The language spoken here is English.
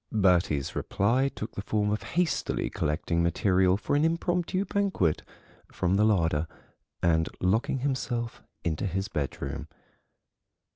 Bertie's reply took the form of hastily collecting material for an impromptu banquet from the larder and locking himself into his bedroom.